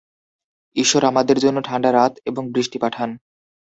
ঈশ্বর আমাদের জন্য ঠাণ্ডা রাত এবং বৃষ্টি পাঠান!